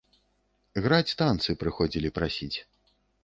Граць танцы прыходзілі прасіць.